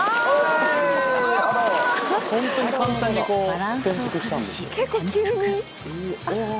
バランスを崩し。